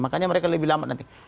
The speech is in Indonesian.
makanya mereka lebih lama nanti